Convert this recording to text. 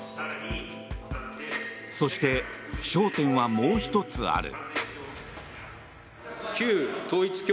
そして、焦点はもう１つある。